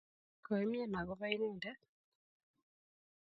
koimyan akobo inendet